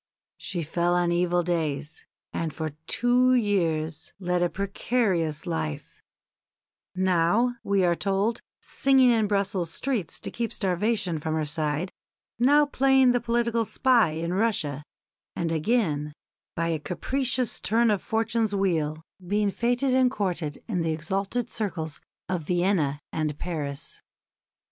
She fell on evil days, and for two years led a precarious life now, we are told, singing in Brussels streets to keep starvation from her side, now playing the political spy in Russia, and again, by a capricious turn of fortune's wheel, being fêted and courted in the exalted circles of Vienna and Paris.